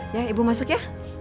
ya ibu masuk ya